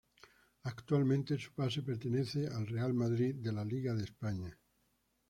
Actualmente su pase pertenece al Real Madrid de la La Liga de España.